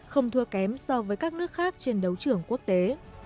không thua kém so với các nước khác trên đấu trường quốc tế